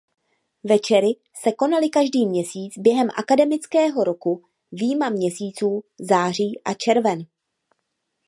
Večery se konaly každý měsíc během akademického roku vyjma měsíců září a červen.